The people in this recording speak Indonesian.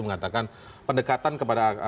mengatakan pendekatan kepada